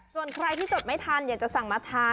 ส่วนใครที่จดไม่ทันอยากจะสั่งมาทาน